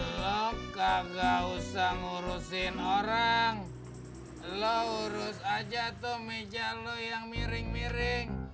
lo kak gak usah ngurusin orang lo urus aja tuh meja lo yang miring miring